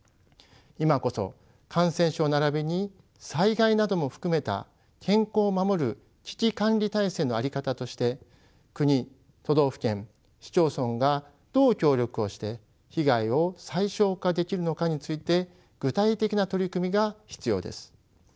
今こそ感染症ならびに災害なども含めた健康を守る危機管理体制の在り方として国都道府県市町村がどう協力をして被害を最少化できるのかについて具体的な取り組みが必要です。